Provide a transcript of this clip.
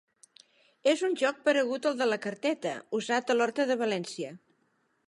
És un joc paregut al de la carteta, usat a l’horta de València.